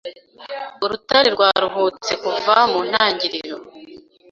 Urutare rwaruhutse kuva mu ntangiriro